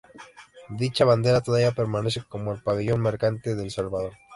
Dicha bandera todavía permanece como el pabellón mercante de El Salvador.